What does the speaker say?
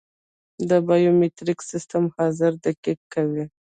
د بایومتریک سیستم حاضري دقیق کوي